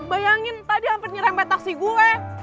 bayangin tadi hampir nyerempet taksi gue